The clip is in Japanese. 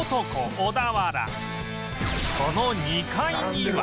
その２階には